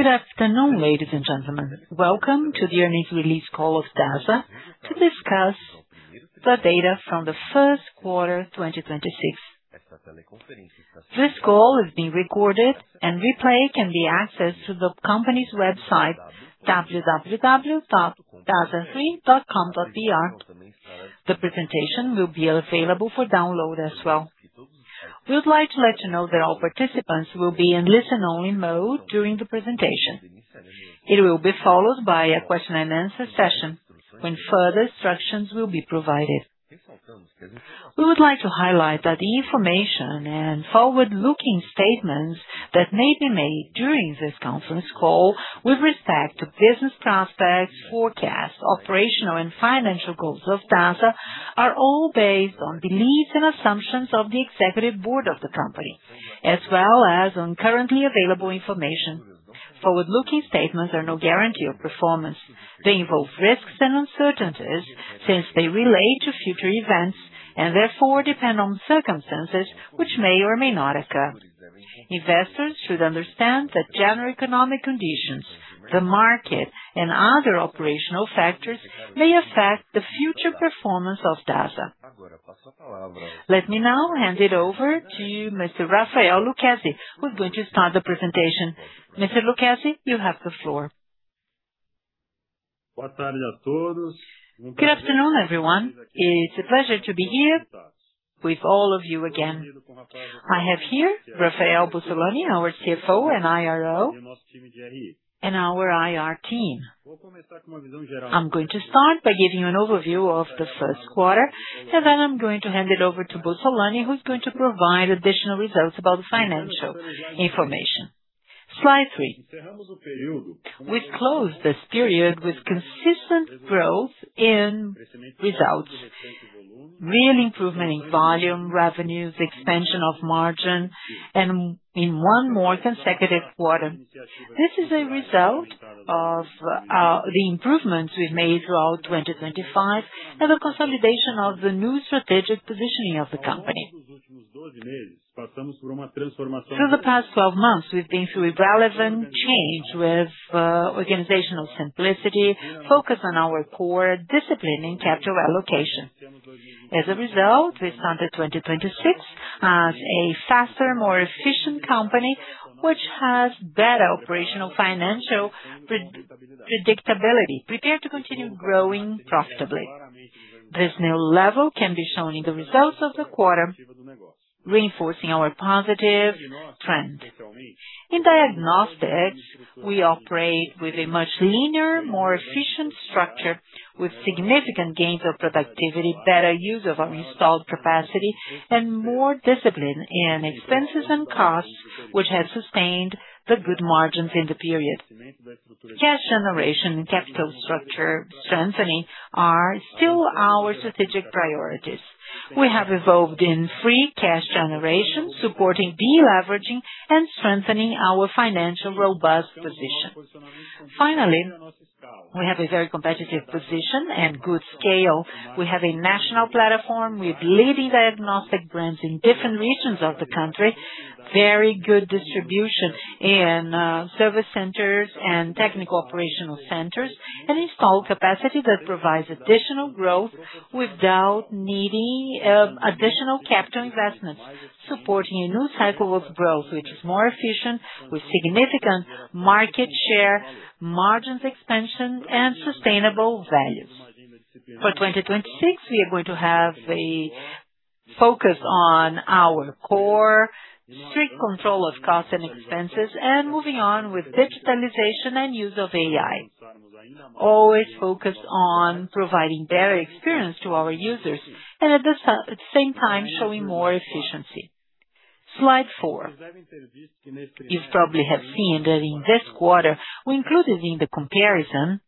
Good afternoon, ladies and gentlemen. Welcome to the earnings release call of Dasa to discuss the data from the first quarter, 2026. This call is being recorded and replay can be accessed through the company's website, www.dasa3.com.br. The presentation will be available for download as well. We would like to let you know that all participants will be in listen-only mode during the presentation. It will be followed by a question-and-answer session when further instructions will be provided. We would like to highlight that the information and forward-looking statements that may be made during this conference call with respect to business prospects, forecasts, operational and financial goals of Dasa are all based on beliefs and assumptions of the executive board of the company, as well as on currently available information. Forward-looking statements are no guarantee of performance. They involve risks and uncertainties since they relate to future events and therefore depend on circumstances which may or may not occur. Investors should understand that general economic conditions, the market and other operational factors may affect the future performance of Dasa. Let me now hand it over to Mr. Rafael Lucchesi, who's going to start the presentation. Mr. Lucchesi, you have the floor. Good afternoon, everyone. It's a pleasure to be here with all of you again. I have here Rafael Bossolani, our CFO and IRO, and our IR team. I'm going to start by giving you an overview of the first quarter, and then I'm going to hand it over to Bossolani who's going to provide additional results about the financial information. Slide 3. We closed this period with consistent growth in results, real improvement in volume, revenues, expansion of margin, and in one more consecutive quarter. This is a result of the improvements we've made throughout 2025, and the consolidation of the new strategic positioning of the company. Through the past 12 months, we've been through a relevant change with organizational simplicity, focused on our core discipline in capital allocation. As a result, we started 2026 as a faster, more efficient company which has better operational financial predictability, prepared to continue growing profitably. This new level can be shown in the results of the quarter, reinforcing our positive trend. In diagnostics, we operate with a much leaner, more efficient structure with significant gains of productivity, better use of our installed capacity and more discipline in expenses and costs, which have sustained the good margins in the period. Cash generation and capital structure strengthening are still our strategic priorities. We have evolved in free cash generation, supporting deleveraging and strengthening our financial robust position. Finally, we have a very competitive position and good scale. We have a national platform with leading diagnostic brands in different regions of the country, very good distribution in service centers and technical operational centers, and installed capacity that provides additional growth without needing additional capital investments, supporting a new cycle of growth which is more efficient with significant market share, margins expansion and sustainable values. For 2026, we are going to have a focus on our core strict control of costs and expenses and moving on with digitalization and use of AI. Always focused on providing better experience to our users and at the same time showing more efficiency. Slide 4. You probably have seen that in this quarter, we included in the comparison.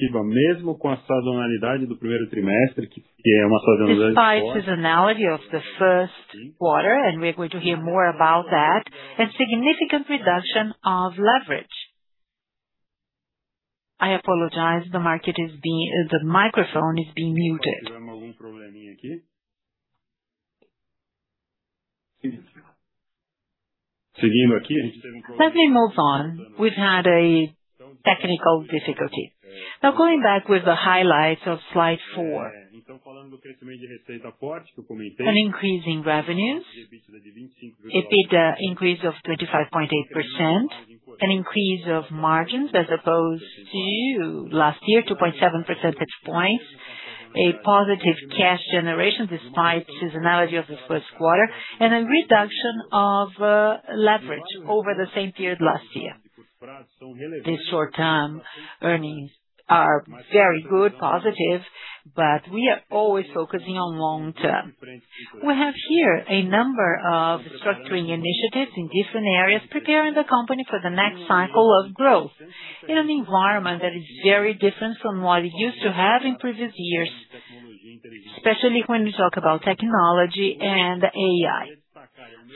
Despite seasonality of the first quarter, and we're going to hear more about that, and significant reduction of leverage. I apologize, the microphone is being muted. Let me move on. We've had a technical difficulty. Now going back with the highlights of slide 4. An increase in revenues, EBITDA increase of 35.8%, an increase of margins as opposed to last year, 2.7 % base points, a positive cash generation despite seasonality of the first quarter, and a reduction of leverage over the same period last year. The short-term earnings are very good, positive, but we are always focusing on long term. We have here a number of structuring initiatives in different areas, preparing the company for the next cycle of growth in an environment that is very different from what it used to have in previous years, especially when we talk about technology and AI.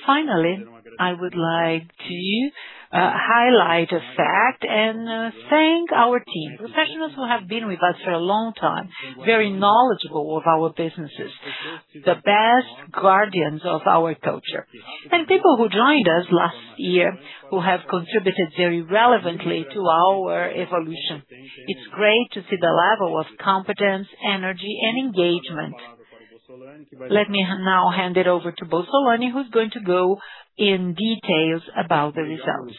Finally, I would like to highlight a fact and thank our team. Professionals who have been with us for a long time, very knowledgeable of our businesses, the best guardians of our culture, and people who joined us last year who have contributed very relevantly to our evolution. It's great to see the level of competence, energy and engagement. Let me now hand it over to Bossolani, who's going to go in details about the results.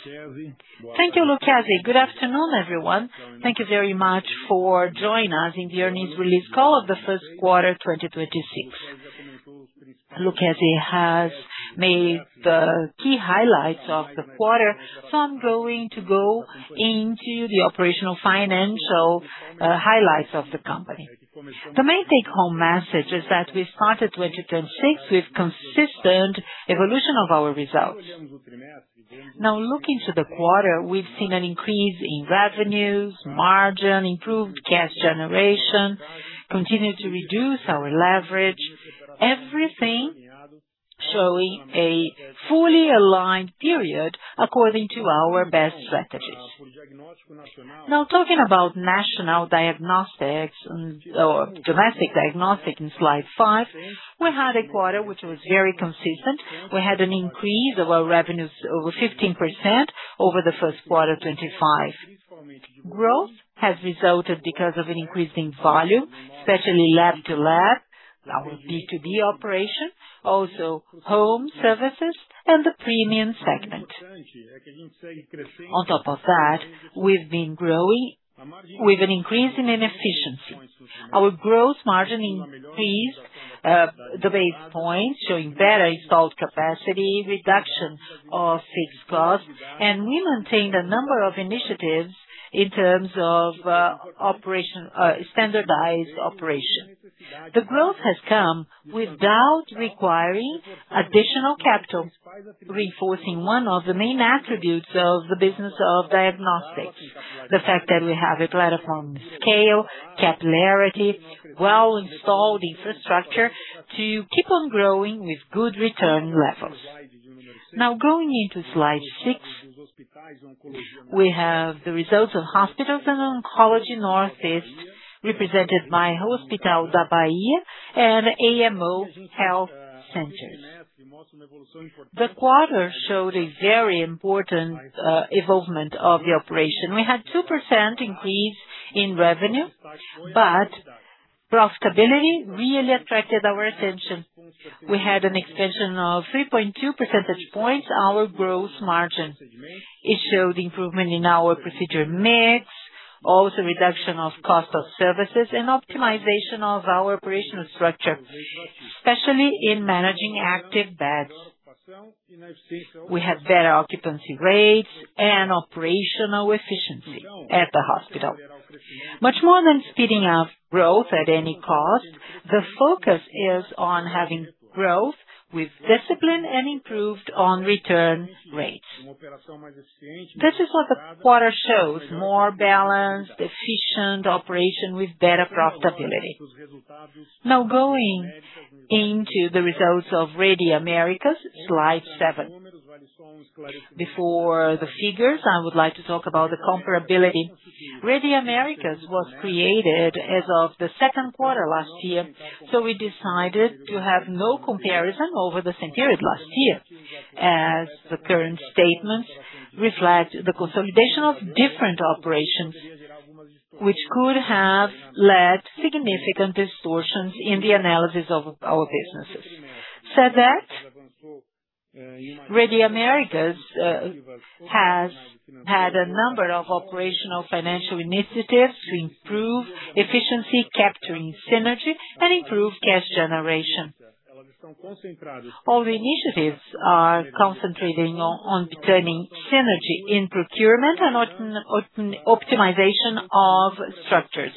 Thank you, Lucchesi. Good afternoon, everyone. Thank you very much for joining us in the earnings release call of the first quarter, 2026. Lucchesi has made the key highlights of the quarter so I'm going to go into the operational financial highlights of the company. The main take home message is that we started 2026 with consistent evolution of our results. Looking to the quarter, we've seen an increase in revenues, margin, improved cash generation, continued to reduce our leverage. Everything showing a fully aligned period according to our best strategies. Talking about national diagnostics, or domestic diagnostic in slide 5, we had a quarter which was very consistent. We had an increase of our revenues over 15% over the first quarter 2025. Growth has resulted because of an increase in volume, especially lab to lab, our B2B operation, also home services and the premium segment. On top of that, we've been growing with an increase in efficiency. Our growth margin increased the basis points, showing better installed capacity, reduction of fixed costs, and we maintained a number of initiatives in terms of operation, standardized operation. The growth has come without requiring additional capital, reinforcing one of the main attributes of the business of diagnostics, the fact that we have a platform scale, capillarity, well-installed infrastructure to keep on growing with good return levels. Going into slide 6, we have the results of hospitals and oncology Northeast represented by Hospital da Bahia and Clínica AMO. The quarter showed a very important evolvement of the operation. We had 2% increase in revenue. Profitability really attracted our attention. We had an extension of 3.2% base points our growth margin. It showed improvement in our procedure mix, also reduction of cost of services and optimization of our operational structure, especially in managing active beds. We have better occupancy rates and operational efficiency at the hospital. Much more than speeding up growth at any cost, the focus is on having growth with discipline and improved on return rates. This is what the quarter shows, more balanced, efficient operation with better profitability. Going into the results of Rede Américas, slide 7. Before the figures, I would like to talk about the comparability. Rede Américas was created as of the second quarter last year, so we decided to have no comparison over the same period last year, as the current statements reflect the consolidation of different operations which could have led significant distortions in the analysis of our businesses. Said that, Rede Américas has had a number of operational financial initiatives to improve efficiency, capturing synergy and improve cash generation. All the initiatives are concentrating on obtaining synergy in procurement and optimization of structures,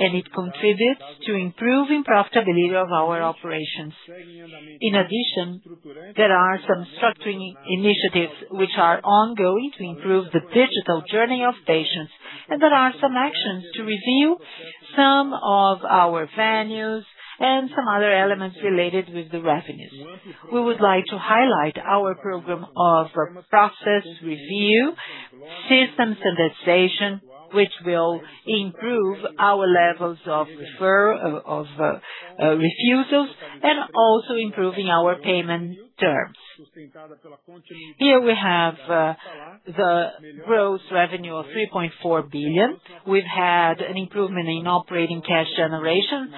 it contributes to improving profitability of our operations. In addition, there are some structuring initiatives which are ongoing to improve the digital journey of patients, there are some actions to review some of our venues and some other elements related with the revenues. We would like to highlight our program of process review, system standardization, which will improve our levels of refusals and also improving our payment terms. Here we have the gross revenue of 3.4 billion. We've had an improvement in operating cash generation.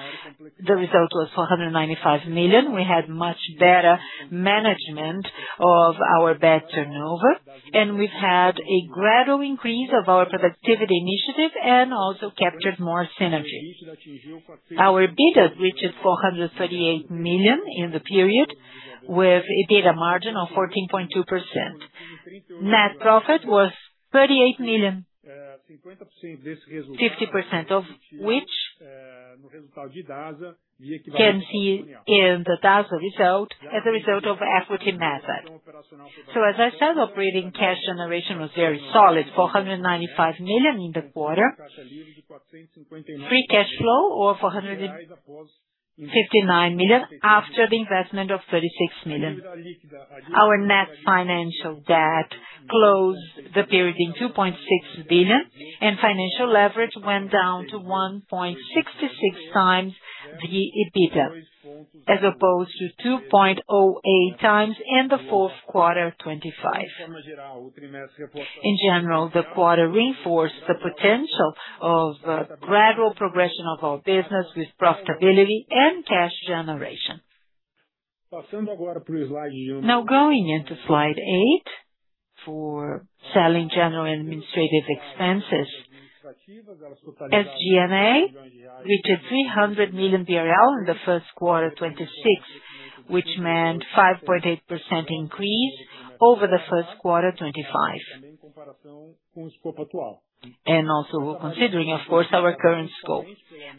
The result was 495 million. We had much better management of our bed turnover, and we've had a gradual increase of our productivity initiative and also captured more synergy. Our EBITDA reached 438 million in the period with EBITDA margin of 14.2%. Net profit was 38 million. 50% of which can see in the Dasa result as a result of equity method. As I said, operating cash generation was very solid, 495 million in the quarter. Free cash flow of 459 million after the investment of 36 million. Our net financial debt closed the period in 2.6 billion, and financial leverage went down to 1.66x the EBITDA, as opposed to 2.08x in the fourth quarter of 2025. In general, the quarter reinforced the potential of a gradual progression of our business with profitability and cash generation. Now, going into slide 8 for selling, general, and administrative expenses. SG&A reached 300 million BRL in the first quarter of 2025, which meant 5.8% increase over the first quarter of 2025. Also considering, of course, our current scope.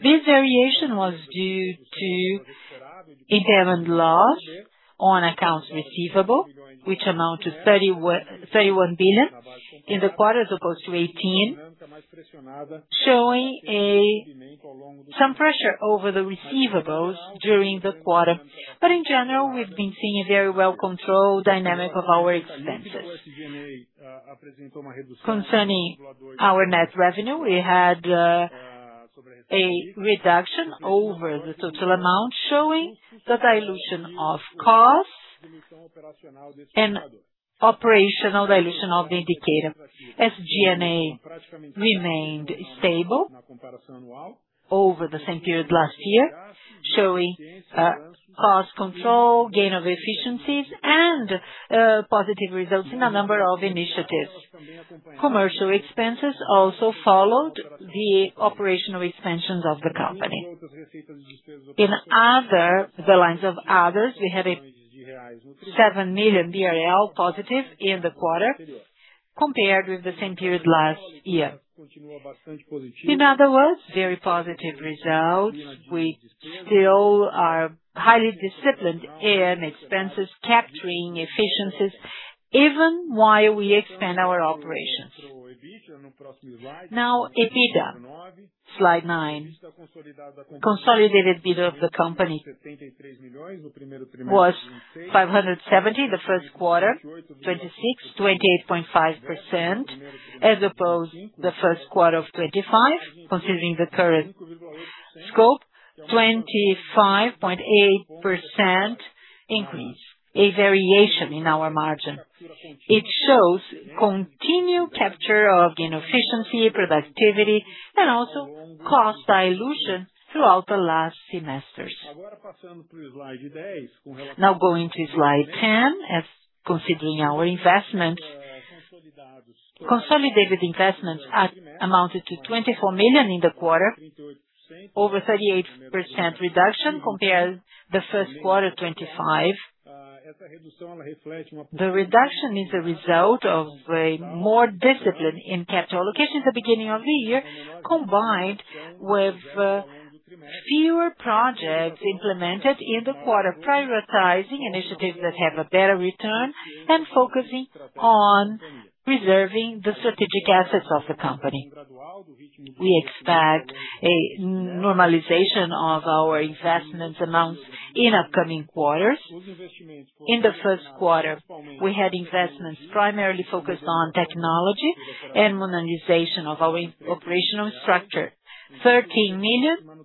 This variation was due to impairment loss on accounts receivable, which amount to 31 billion in the quarter as opposed to 18, showing some pressure over the receivables during the quarter. In general, we've been seeing a very well-controlled dynamic of our expenses. Concerning our net revenue, we had a reduction over the total amount, showing the dilution of costs and operational dilution of the indicator. SG&A remained stable over the same period last year, showing cost control, gain of efficiencies and positive results in a number of initiatives. Commercial expenses also followed the operational expansions of the company. The lines of others, we have a 7 million BRL positive in the quarter compared with the same period last year. In other words, very positive results. We still are highly disciplined in expenses, capturing efficiencies even while we expand our operations. Now, EBITDA, slide 9. Consolidated EBITDA of the company was 570 the first quarter, 2026, 28.5%, as opposed the first quarter of 2025, considering the current scope, 25.8% increase, a variation in our margin. It shows continued capture of gain efficiency, productivity, and also cost dilution throughout the last semesters. Now going to slide 10, as considering our investment. Consolidated investments amounted to 24 million in the quarter, over 38% reduction compared the first quarter of 2025. The reduction is a result of a more discipline in capital allocation at the beginning of the year, combined with fewer projects implemented in the quarter, prioritizing initiatives that have a better return and focusing on preserving the strategic assets of the company. We expect a normalization of our investments amounts in upcoming quarters. In the first quarter, we had investments primarily focused on technology and monetization of our operational structure, 13 million,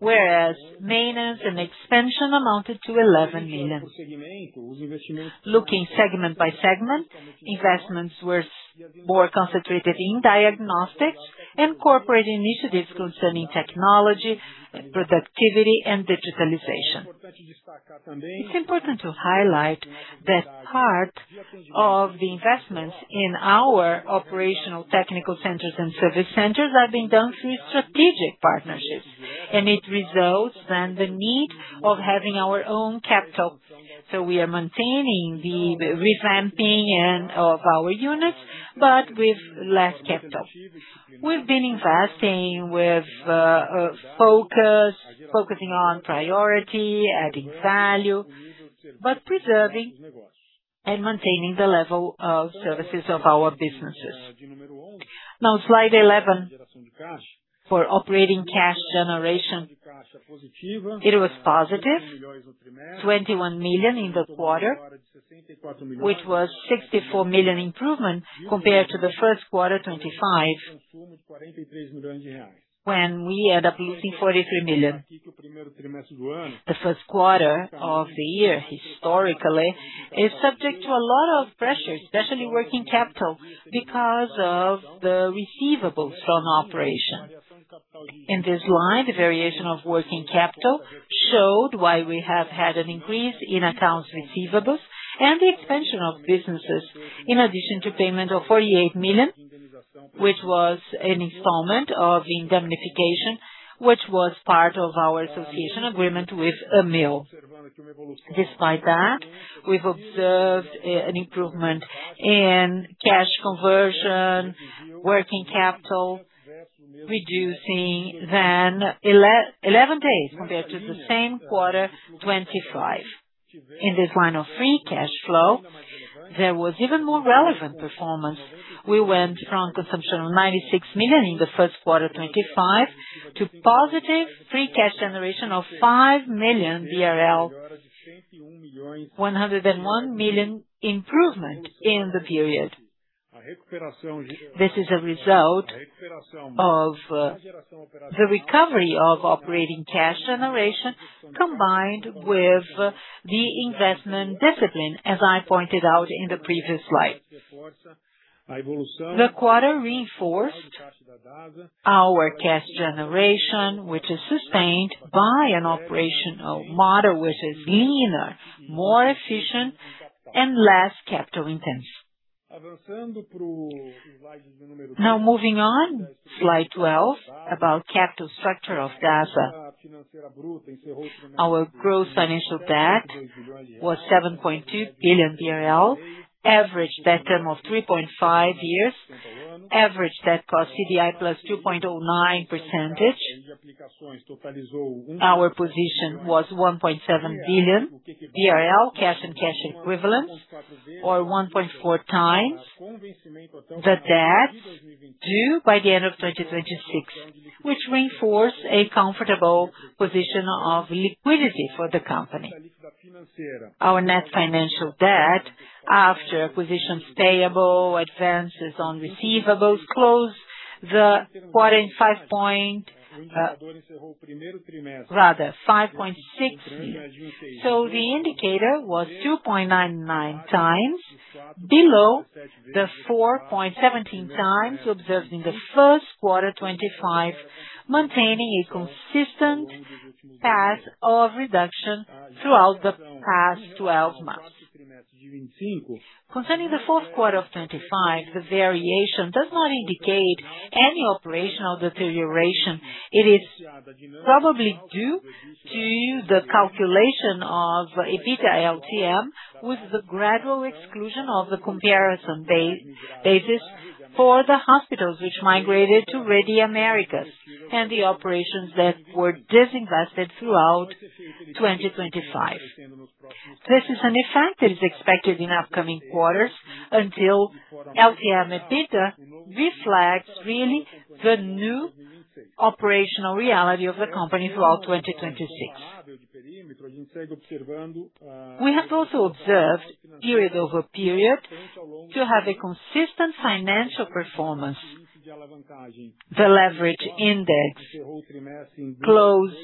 whereas maintenance and expansion amounted to 11 million. Looking segment by segment, investments were more concentrated in diagnostics and corporate initiatives concerning technology, productivity, and digitalization. It's important to highlight that part of the investments in our operational technical centers and service centers have been done through strategic partnerships, and it results in the need of having our own capital. We are maintaining the revamping of our units, but with less capital. We've been investing with focus, focusing on priority, adding value, but preserving and maintaining the level of services of our businesses. Slide 11 for operating cash generation. It was positive, 21 million in the quarter, which was 64 million improvement compared to the first quarter of 2025, when we ended up losing 43 million. The first quarter of the year historically is subject to a lot of pressure, especially working capital because of the receivables from operation. In this slide, the variation of working capital showed why we have had an increase in accounts receivables and the expansion of businesses, in addition to payment of 48 million, which was an installment of indemnification, which was part of our association agreement with Amil. Despite that, we've observed an improvement in cash conversion, working capital, reducing by 11 days compared to the same quarter 2025. In this line of free cash flow, there was even more relevant performance. We went from consumption of 96 million in the first quarter 2025 to positive free cash generation of 5 million BRL, 101 million improvement in the period. This is a result of the recovery of operating cash generation combined with the investment discipline, as I pointed out in the previous slide. The quarter reinforced our cash generation, which is sustained by an operational model which is leaner, more efficient and less capital-intensive. Now moving on slide 12 about capital structure of Dasa. Our gross financial debt was 7.2 billion BRL, averaged debt term of 3.5 years, average debt cost CDI plus 2.09%. Our position was 1.7 billion cash and cash equivalents, or 1.4 times the debt due by the end of 2026, which reinforce a comfortable position of liquidity for the company. Our net financial debt after acquisitions payable, advances on receivables closed the 5.6. The indicator was 2.99 times below the 4.17 times observed in the first quarter 2025, maintaining a consistent path of reduction throughout the past 12 months. Concerning the fourth quarter of 2025, the variation does not indicate any operational deterioration. It is probably due to the calculation of EBITDA LTM with the gradual exclusion of the comparison base, basis for the hospitals which migrated to Rede Américas and the operations that were disinvested throughout 2025. This is an effect that is expected in upcoming quarters until LTM EBITDA reflects really the new operational reality of the company throughout 2026. We have also observed period-over-period to have a consistent financial performance. The leverage index closed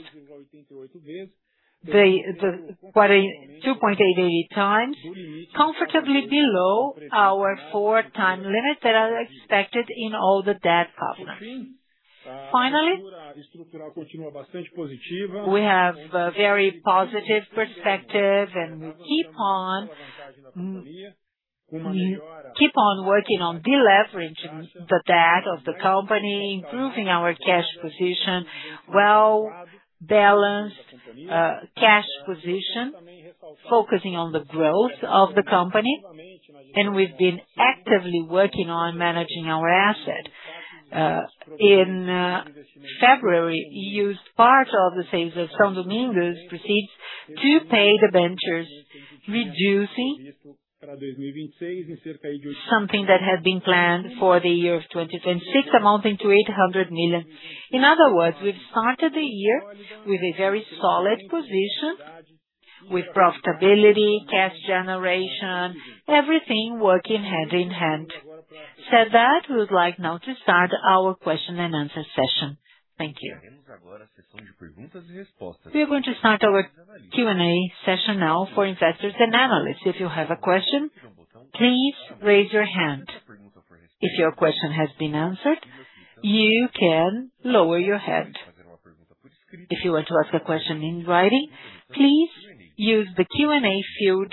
the 2.88 times, comfortably below our 4 time limit that are expected in all the debt covenants. Finally, we have a very positive perspective and keep on working on deleveraging the debt of the company, improving our cash position, well balanced, cash position, focusing on the growth of the company. We've been actively working on managing our asset. In February, used part of the sales of São Domingos proceeds to pay debentures, reducing something that had been planned for the year of 2026 amounting to 800 million. In other words, we've started the year with a very solid position with profitability, cash generation, everything working hand in hand. Said that, we would like now to start our question and answer session. Thank you. We are going to start our Q&A session now for investors and analysts. If you have a question, please raise your hand. If your question has been answered, you can lower your hand. If you want to ask a question in writing, please use the Q&A field,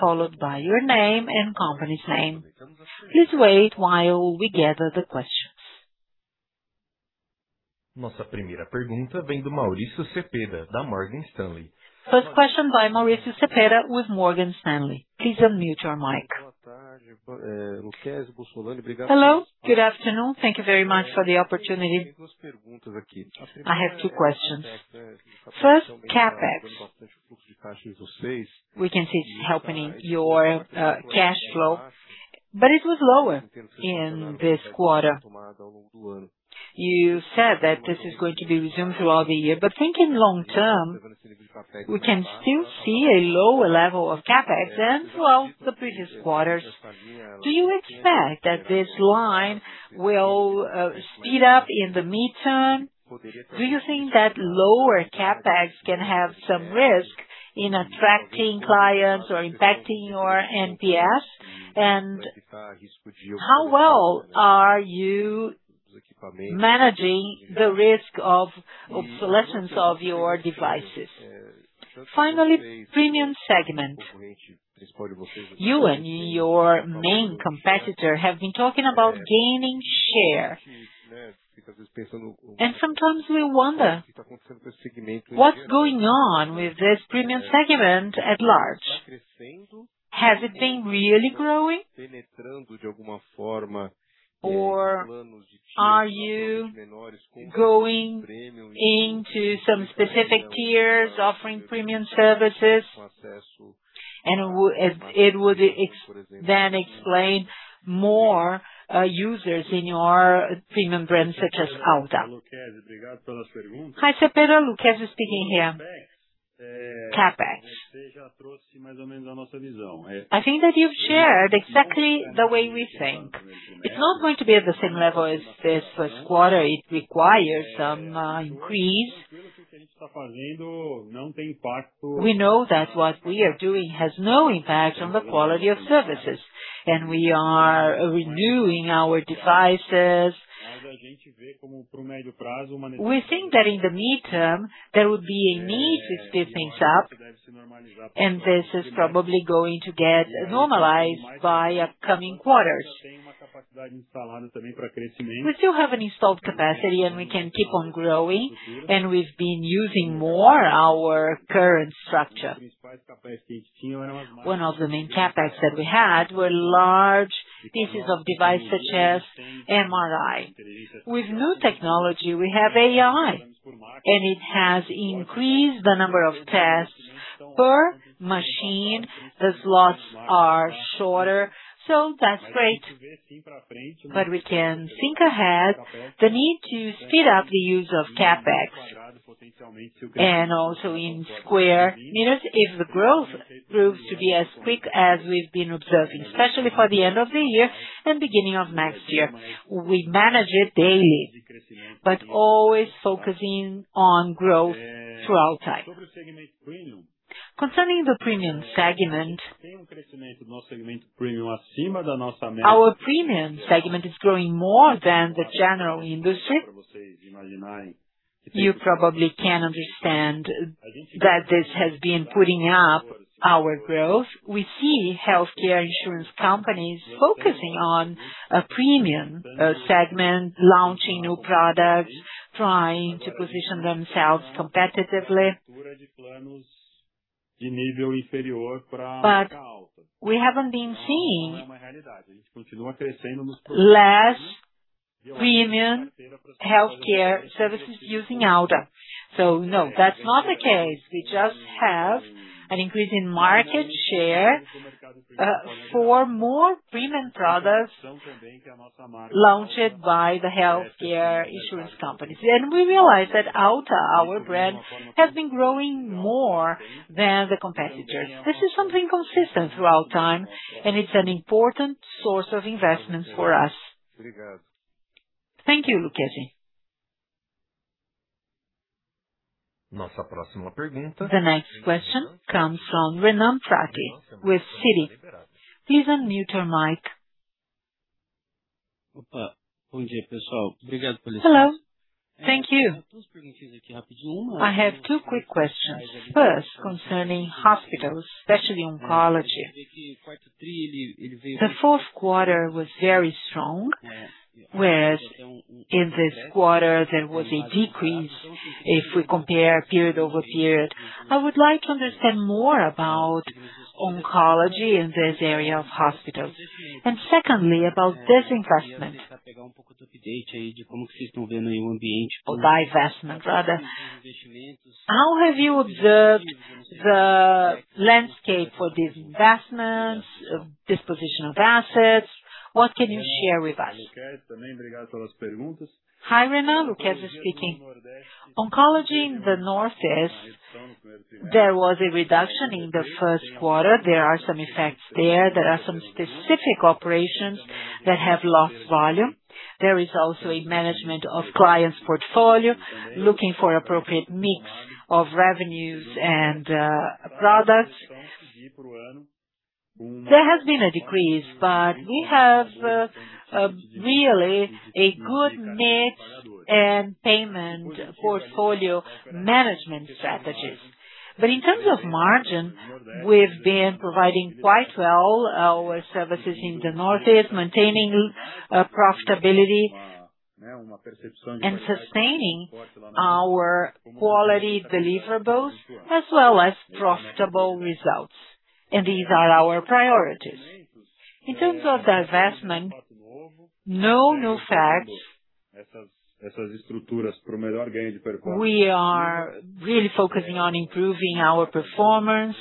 followed by your name and company's name. Please wait while we gather the questions. First question by Mauricio Cepeda with Morgan Stanley. Please unmute your mic. Hello, good afternoon. Thank you very much for the opportunity. I have two questions. First, CapEx. We can see it's helping in your cash flow, but it was lower in this quarter. You said that this is going to be resumed throughout the year, but thinking long term, we can still see a lower level of CapEx than throughout the previous quarters. Do you expect that this line will speed up in the midterm? Do you think that lower CapEx can have some risk in attracting clients or impacting your NPS? How well are you managing the risk of selections of your devices? Finally, premium segment. You and your main competitor have been talking about gaining share. Sometimes we wonder, what's going on with this premium segment at large? Has it been really growing? Or are you going into some specific tiers offering premium services? It would then explain more users in your premium brands such as Alta. Hi Cepeda, it's Lucchesi speaking here. CapEx. I think that you've shared exactly the way we think. It's not going to be at the same level as this first quarter. It requires some increase. We know that what we are doing has no impact on the quality of services, and we are renewing our devices. We think that in the midterm, there would be a need to step things up, and this is probably going to get normalized by upcoming quarters. We still have an installed capacity, and we can keep on growing, and we've been using more our current structure. One of the main CapEx that we had were large pieces of device such as MRI. With new technology, we have AI, and it has increased the number of tests per machine. The slots are shorter, so that's great. We can think ahead the need to speed up the use of CapEx. Also in square meters, if the growth proves to be as quick as we've been observing, especially for the end of the year and beginning of next year. We manage it daily, but always focusing on growth throughout time. Concerning the premium segment, our premium segment is growing more than the general industry. You probably can understand that this has been putting up our growth. We see healthcare insurance companies focusing on a premium segment, launching new products, trying to position themselves competitively. We haven't been seeing less premium healthcare services using Alta. No, that's not the case. We just have an increase in market share for more premium products launched by the healthcare insurance companies. We realize that Alta, our brand, has been growing more than the competitors. This is something consistent throughout time, and it's an important source of investments for us. Thank you, Lucchesi. The next question comes from Renan Prata with Citi. Please unmute your mic. Hello. Thank you. I have 2 quick questions. First, concerning hospitals, especially oncology. The fourth quarter was very strong, whereas in this quarter there was a decrease if we compare period over period. I would like to understand more about oncology in this area of hospitals. Secondly, about disinvestment, or divestment rather. How have you observed the landscape for these investments, disposition of assets? What can you share with us? Hi, Renan. Lucchesi speaking. Oncology in the Northeast, there was a reduction in the first quarter. There are some effects there. There are some specific operations that have lost volume. There is also a management of clients' portfolio looking for appropriate mix of revenues and products. There has been a decrease, we have really a good mix and payment portfolio management strategies. In terms of margin, we've been providing quite well our services in the Northeast, maintaining profitability and sustaining our quality deliverables as well as profitable results. These are our priorities. In terms of divestment, no new facts. We are really focusing on improving our performance.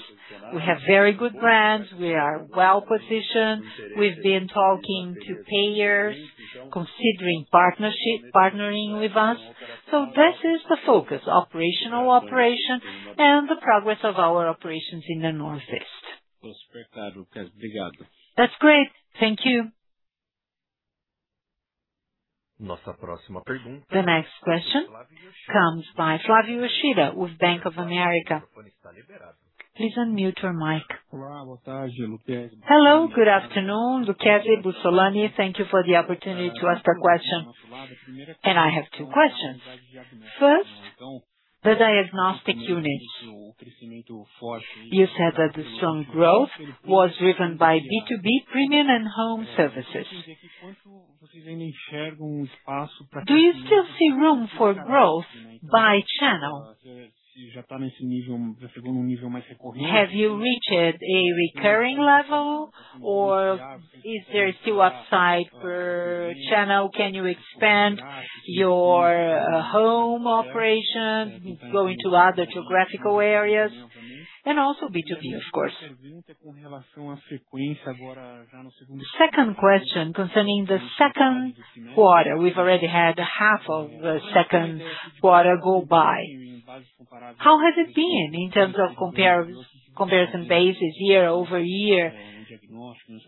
We have very good brands. We are well-positioned. We've been talking to payers considering partnering with us. This is the focus, operational operation and the progress of our operations in the Northeast. That's great. Thank you. The next question comes by Flavio Yoshida with Bank of America. Please unmute your mic. Hello. Good afternoon, Lucchesi, Bossolani. Thank you for the opportunity to ask a question. I have two questions. First, the diagnostic units. You said that the strong growth was driven by B2B premium and home services. Do you still see room for growth by channel? Have you reached a recurring level, or is there still upside per channel? Can you expand your home operation going to other geographical areas and also B2B, of course. Second question concerning the second quarter. We've already had half of the second quarter go by. How has it been in terms of comparison basis year-over-year?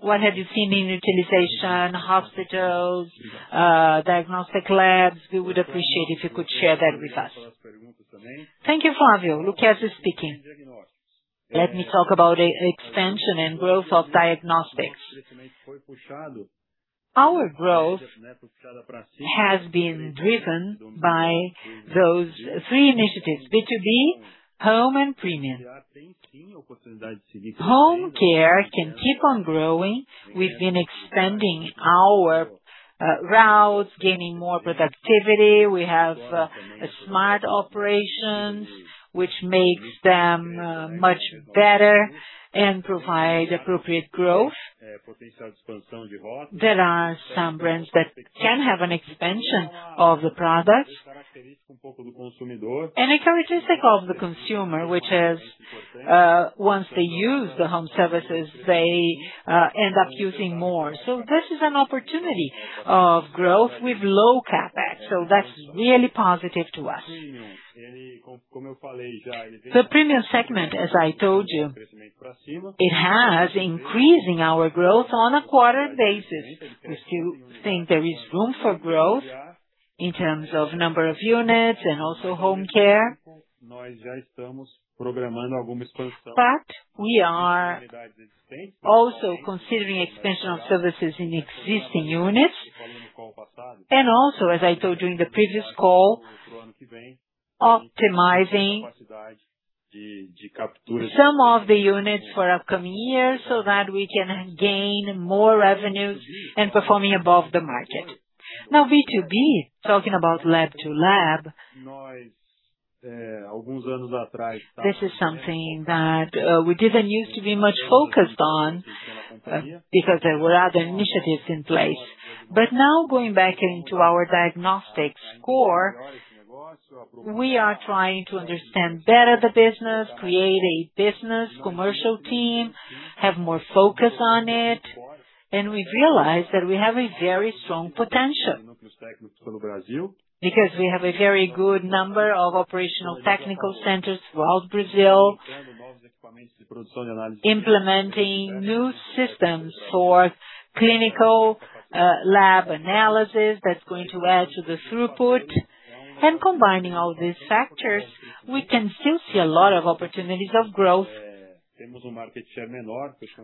What have you seen in utilization, hospitals, diagnostic labs? We would appreciate if you could share that with us. Thank you, Flavio. Lucchesi speaking. Let me talk about the expansion and growth of diagnostics. Our growth has been driven by those 3 initiatives: B2B, home, and premium. Home care can keep on growing. We've been expanding our routes, gaining more productivity. We have a smart operations, which makes them much better and provide appropriate growth. There are some brands that can have an expansion of the product. A characteristic of the consumer, which is, once they use the home services, they end up using more. This is an opportunity of growth with low CapEx. That's really positive to us. The premium segment, as I told you, it has increase in our growth on a quarter basis. We still think there is room for growth in terms of number of units and also home care. We are also considering expansion of services in existing units. Also, as I told you in the previous call, optimizing some of the units for upcoming years so that we can gain more revenues and performing above the market. B2B, talking about lab to lab, this is something that we didn't used to be much focused on because there were other initiatives in place. Now going back into our diagnostic core, we are trying to understand better the business, create a business commercial team, have more focus on it, and we realize that we have a very strong potential because we have a very good number of operational technical centers throughout Brazil. Implementing new systems for clinical lab analysis that's going to add to the throughput. Combining all these factors, we can still see a lot of opportunities of growth.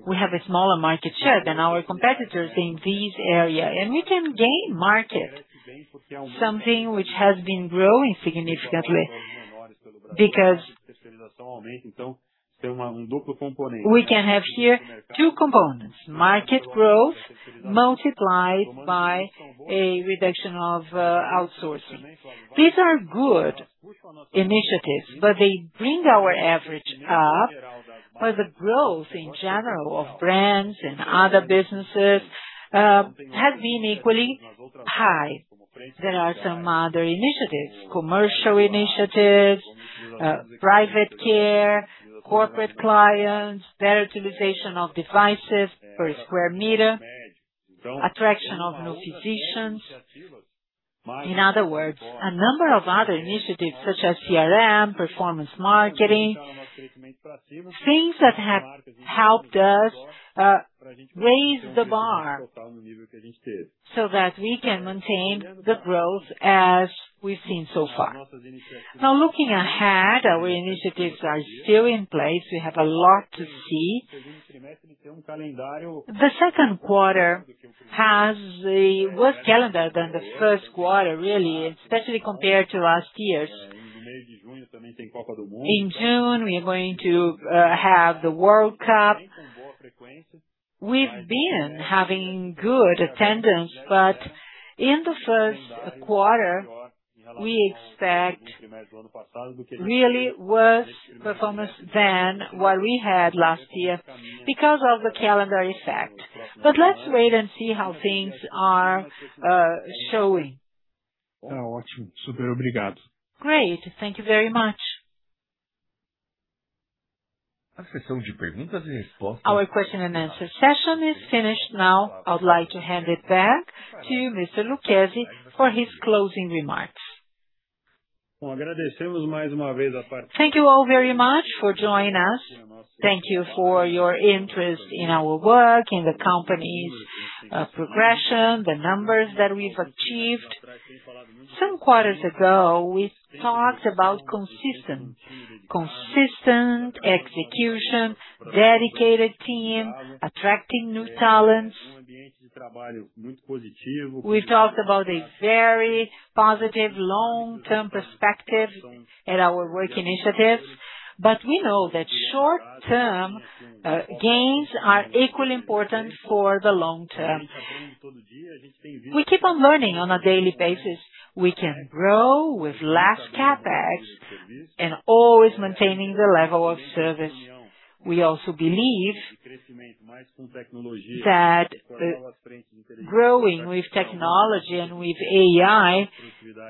We have a smaller market share than our competitors in this area. We can gain market, something which has been growing significantly because we can have here 2 components: market growth multiplied by a reduction of outsourcing. These are good initiatives, but they bring our average up. The growth in general of brands and other businesses has been equally high. There are some other initiatives, commercial initiatives, private care, corporate clients, better utilization of devices per square meter, attraction of new physicians. In other words, a number of other initiatives such as CRM, performance marketing, things that have helped us raise the bar so that we can maintain the growth as we've seen so far. Looking ahead, our initiatives are still in place. We have a lot to see. The second quarter has a worse calendar than the first quarter, really, especially compared to last year's. In June, we are going to have the World Cup. We've been having good attendance, but in the first quarter, we expect really worse performance than what we had last year because of the calendar effect. Let's wait and see how things are showing. Great. Thank you very much. Our question and answer session is finished now. I would like to hand it back to Mr. Lucchesi for his closing remarks. Thank you all very much for joining us. Thank you for your interest in our work, in the company's progression, the numbers that we've achieved. Some quarters ago, we talked about consistent execution, dedicated team, attracting new talents. We talked about a very positive long-term perspective at our work initiatives. We know that short-term gains are equally important for the long term. We keep on learning on a daily basis. We can grow with less CapEx and always maintaining the level of service. We also believe that growing with technology and with AI,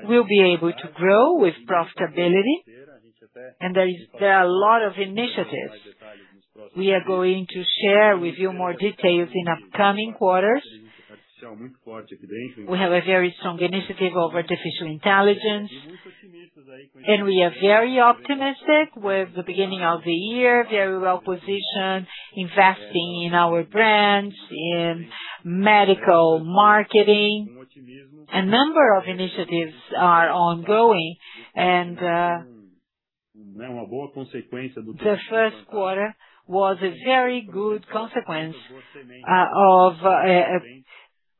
we'll be able to grow with profitability. There are a lot of initiatives. We are going to share with you more details in upcoming quarters. We have a very strong initiative of artificial intelligence. We are very optimistic with the beginning of the year, very well-positioned, investing in our brands, in medical marketing. A number of initiatives are ongoing. The first quarter was a very good consequence.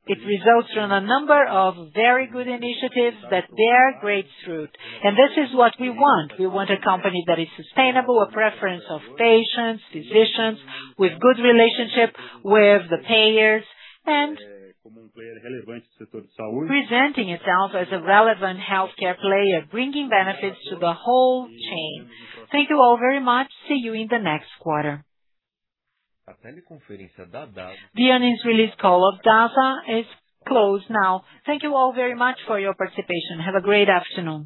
It results from a number of very good initiatives that bear great fruit. This is what we want. We want a company that is sustainable, a preference of patients, physicians, with good relationship with the payers and presenting itself as a relevant healthcare player, bringing benefits to the whole chain. Thank you all very much. See you in the next quarter. The earnings release call of Dasa is closed now. Thank you all very much for your participation. Have a great afternoon.